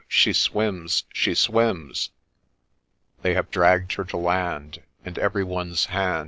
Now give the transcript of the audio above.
—' She swims !— She swims !' They have dragg'd her to land, And every one's hand.